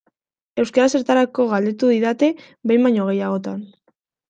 Euskara zertarako galdetu didate behin baino gehiagotan.